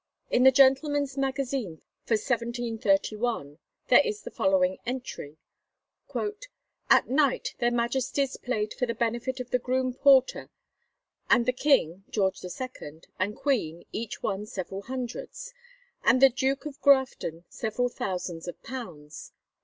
In the Gentleman's Magazine for 1731 there is the following entry: "At night their Majesties played for the benefit of the groom porter, and the king (George II) and queen each won several hundreds, and the Duke of Grafton several thousands of pounds."